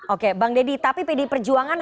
oke bang deddy tapi pdi perjuangan